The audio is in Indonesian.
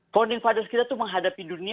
founding fathers kita tuh menghadapi dunia